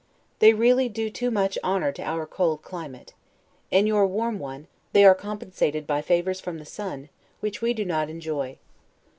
They really do too much honor to our cold climate; in your warm one, they are compensated by favors from the sun, which we do not enjoy.